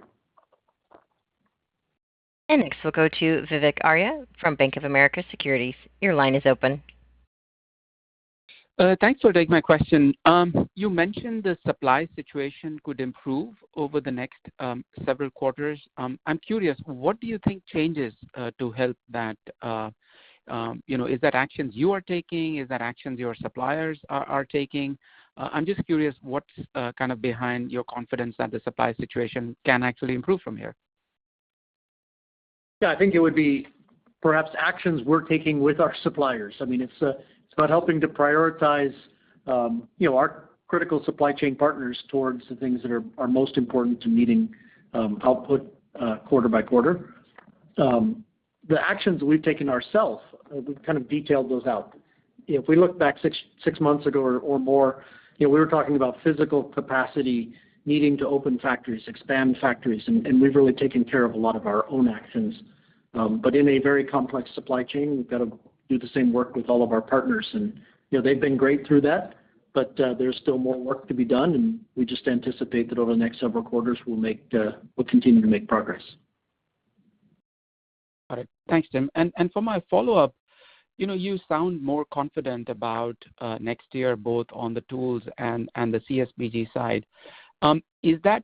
Next we'll go to Vivek Arya from Bank of America Securities. Your line is open. Thanks for taking my question. You mentioned the supply situation could improve over the next several quarters. I'm curious, what do you think changes to help that? You know, is that actions you are taking? Is that actions your suppliers are taking? I'm just curious what's kind of behind your confidence that the supply situation can actually improve from here. I think it would be perhaps actions we're taking with our suppliers. I mean, it's about helping to prioritize, you know, our critical supply chain partners towards the things that are most important to meeting, output, quarter by quarter. The actions we've taken ourself, we've kind of detailed those out. If we look back six months ago or more, you know, we were talking about physical capacity, needing to open factories, expand factories, and we've really taken care of a lot of our own actions. In a very complex supply chain, we've got to do the same work with all of our partners and, you know, they've been great through that, but, there's still more work to be done. We just anticipate that over the next several quarters we'll make, we'll continue to make progress. All right. Thanks, Tim. For my follow-up, you know, you sound more confident about next year, both on the tools and the CSBG side. Is that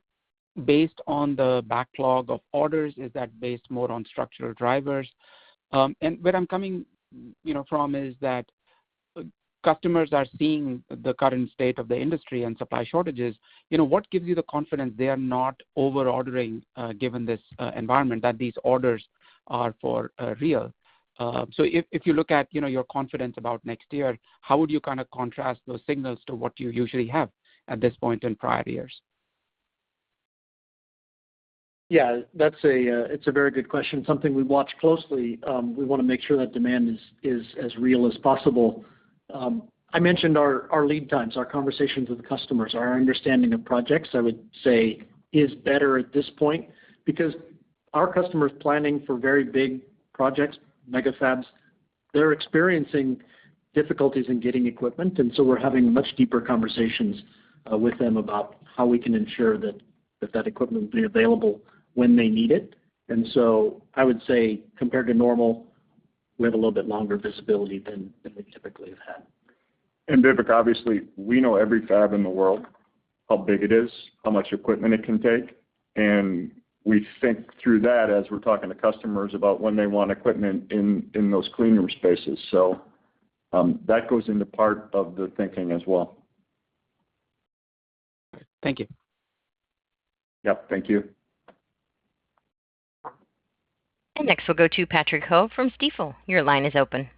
based on the backlog of orders? Is that based more on structural drivers? Where I'm coming, you know, from is that customers are seeing the current state of the industry and supply shortages. You know, what gives you the confidence they are not over-ordering, given this environment, that these orders are for real? If you look at, you know, your confidence about next year, how would you kind of contrast those signals to what you usually have at this point in prior years? That's a very good question, something we watch closely. We wanna make sure that demand is as real as possible. I mentioned our lead times, our conversations with customers. Our understanding of projects, I would say, is better at this point because our customers planning for very big projects, mega fabs, they're experiencing difficulties in getting equipment. We're having much deeper conversations with them about how we can ensure that that equipment will be available when they need it. I would say compared to normal, we have a little bit longer visibility than we typically have had. Vivek, obviously, we know every fab in the world, how big it is, how much equipment it can take, and we think through that as we're talking to customers about when they want equipment in those clean room spaces. That goes into part of the thinking as well. Thank you. Yep, thank you. Next we'll go to Patrick Ho from Stifel. Your line is open.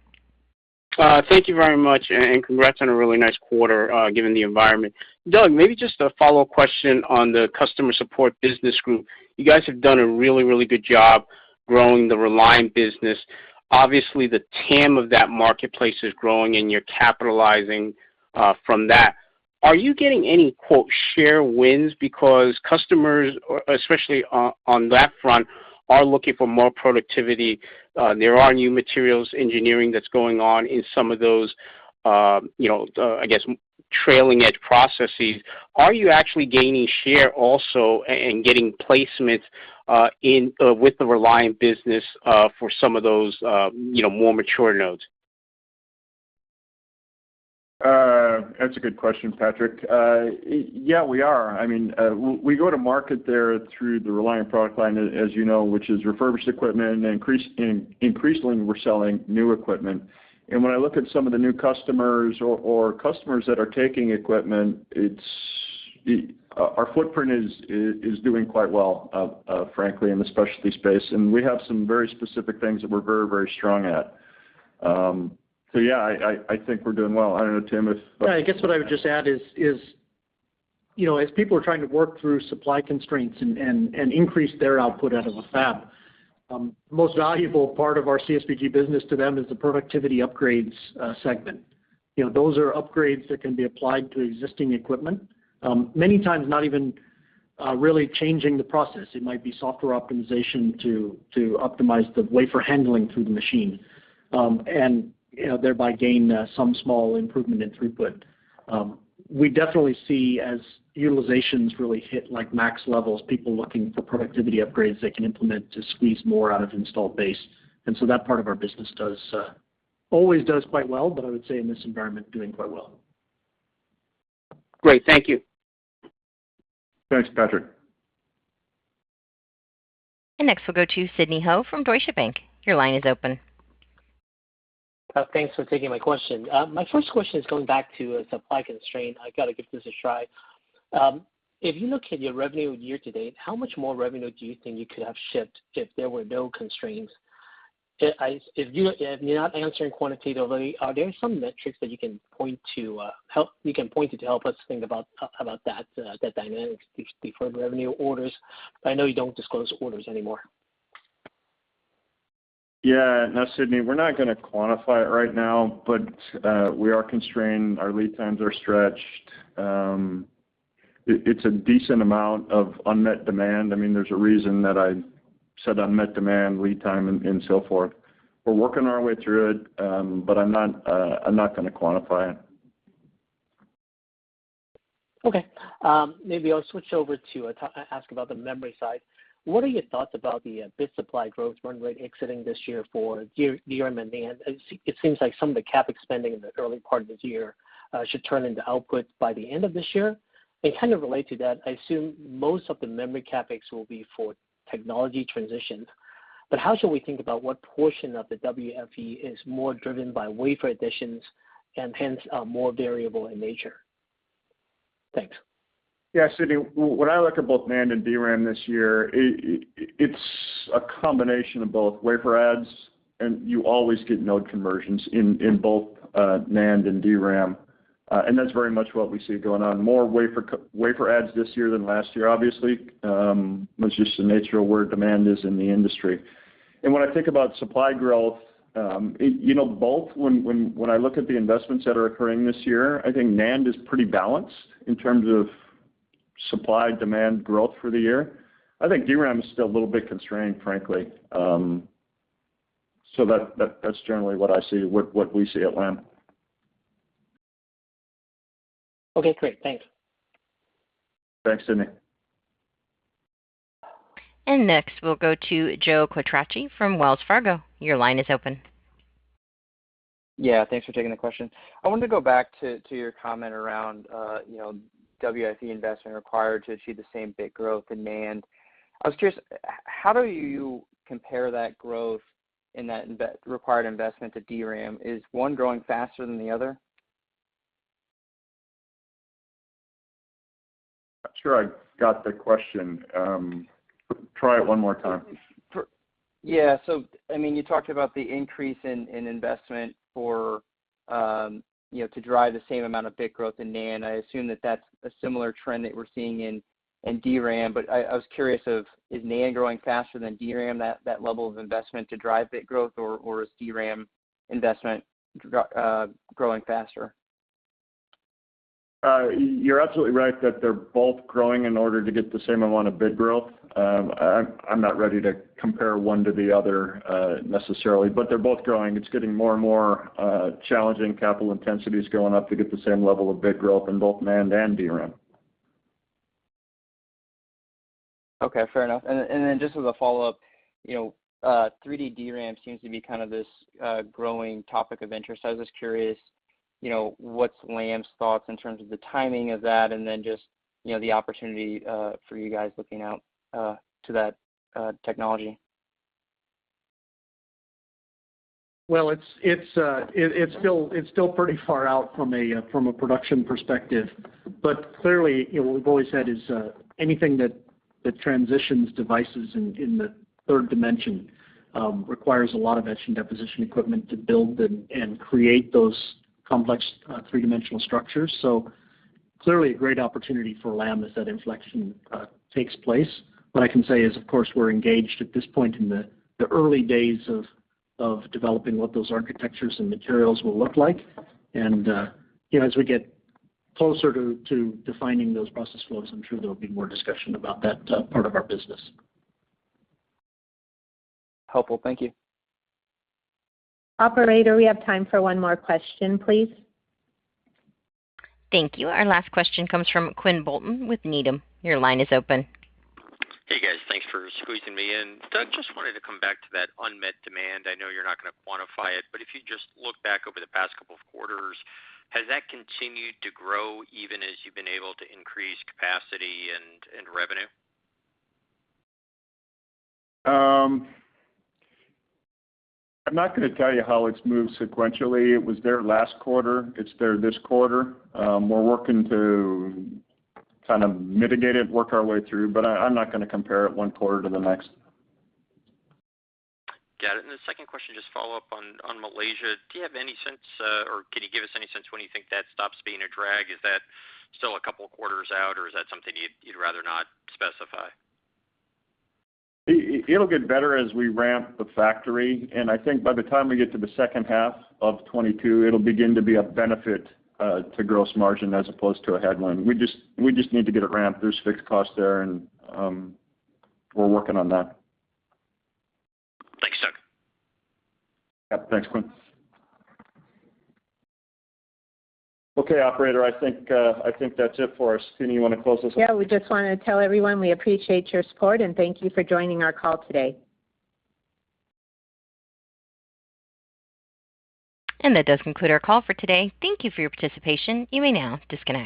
Thank you very much. Congrats on a really nice quarter given the environment. Doug, maybe just a follow-up question on the Customer Support Business Group. You guys have done a really good job growing the Reliant business. Obviously, the TAM of that marketplace is growing. You're capitalizing from that. Are you getting any, quote, "share wins" because customers, especially on that front, are looking for more productivity? There are new materials engineering that's going on in some of those, you know, I guess trailing edge processes. Are you actually gaining share also and getting placements in with the Reliant business for some of those, you know, more mature nodes? That's a good question, Patrick. Yeah, we are. I mean, we go to market there through the Reliant product line, as you know, which is refurbished equipment. Increasingly, we're selling new equipment. When I look at some of the new customers or customers that are taking equipment, our footprint is doing quite well, frankly, in the specialty space, and we have some very specific things that we're very strong at. Yeah, I think we're doing well. I don't know, Tim, if. Yeah, I guess what I would just add is, you know, as people are trying to work through supply constraints and increase their output out of a fab, the most valuable part of our CSBG business to them is the productivity upgrades segment. You know, those are upgrades that can be applied to existing equipment, many times not even really changing the process. It might be software optimization to optimize the wafer handling through the machine, and, you know, thereby gain some small improvement in throughput. We definitely see as utilizations really hit like max levels, people looking for productivity upgrades they can implement to squeeze more out of installed base. That part of our business does always does quite well, but I would say in this environment, doing quite well. Great. Thank you. Thanks, Patrick. Next we'll go to Sidney Ho from Deutsche Bank. Your line is open. Thanks for taking my question. My first question is going back to a supply constraint. I gotta give this a try. If you look at your revenue year to date, how much more revenue do you think you could have shipped if there were no constraints? If you're not answering quantitatively, are there some metrics that you can point to to help us think about that dynamic before revenue orders? I know you don't disclose orders anymore. Yeah. No, Sidney, we're not gonna quantify it right now. We are constrained. Our lead times are stretched. It's a decent amount of unmet demand. I mean, there's a reason that I said unmet demand, lead time, and so forth. We're working our way through it. I'm not gonna quantify it. Okay. Maybe I'll switch over to ask about the memory side. What are your thoughts about the bit supply growth run rate exiting this year for DRAM and NAND? It seems like some of the CapEx spending in the early part of this year should turn into output by the end of this year. Kind of related to that, I assume most of the memory CapEx will be for technology transition, but how should we think about what portion of the WFE is more driven by wafer additions and hence are more variable in nature? Thanks. Yeah, Sidney. When I look at both NAND and DRAM this year, it's a combination of both wafer adds, and you always get node conversions in both NAND and DRAM. That's very much what we see going on. More wafer adds this year than last year obviously, was just the nature of where demand is in the industry. When I think about supply growth, you know, both when I look at the investments that are occurring this year, I think NAND is pretty balanced in terms of supply-demand growth for the year. I think DRAM is still a little bit constrained, frankly. That's generally what I see, what we see at Lam. Okay, great. Thanks. Thanks, Sidney. Next we'll go to Joe Quatrochi from Wells Fargo. Your line is open. Yeah, thanks for taking the question. I wanted to go back to your comment around, you know, WFE investment required to achieve the same bit growth in NAND. I was curious, how do you compare that growth in that required investment to DRAM? Is one growing faster than the other? Not sure I got the question. Try it one more time. I mean, you talked about the increase in investment for, you know, to drive the same amount of bit growth in NAND. I assume that that's a similar trend that we're seeing in DRAM. I was curious of, is NAND growing faster than DRAM, that level of investment to drive bit growth, or is DRAM investment growing faster? You're absolutely right that they're both growing in order to get the same amount of bit growth. I'm not ready to compare one to the other, necessarily, but they're both growing. It's getting more and more challenging. Capital intensity is going up to get the same level of bit growth in both NAND and DRAM. Okay. Fair enough. Just as a follow-up, you know, 3D DRAM seems to be kind of this growing topic of interest. I was just curious, you know, what's Lam's thoughts in terms of the timing of that, and then just, you know, the opportunity for you guys looking out to that technology? It's still pretty far out from a production perspective. Clearly, you know, what we've always said is anything that transitions devices in the third dimension requires a lot of etch and deposition equipment to build and create those complex three-dimensional structures. Clearly a great opportunity for Lam as that inflection takes place. What I can say is, of course, we're engaged at this point in the early days of developing what those architectures and materials will look like. You know, as we get closer to defining those process flows, I'm sure there'll be more discussion about that part of our business. Helpful. Thank you. Operator, we have time for one more question, please. Thank you. Our last question comes from Quinn Bolton with Needham. Your line is open. Hey, guys. Thanks for squeezing me in. Doug, just wanted to come back to that unmet demand. I know you're not gonna quantify it, if you just look back over the past couple of quarters, has that continued to grow even as you've been able to increase capacity and revenue? I'm not gonna tell you how it's moved sequentially. It was there last quarter. It's there this quarter. We're working to kind of mitigate it, work our way through, but I'm not gonna compare it one quarter to the next. Got it. The second question, just follow up on Malaysia, do you have any sense, or can you give us any sense when you think that stops being a drag? Is that still a couple of quarters out, or is that something you'd rather not specify? It'll get better as we ramp the factory, and I think by the time we get to the second half of 2022, it'll begin to be a benefit to gross margin as opposed to a headwind. We just need to get it ramped. There's fixed costs there, and we're working on that. Thanks, Doug. Yeah. Thanks, Quinn. Okay, operator, I think, I think that's it for us. Tina, you wanna close us out? Yeah. We just wanna tell everyone we appreciate your support, and thank you for joining our call today. That does conclude our call for today. Thank you for your participation. You may now disconnect.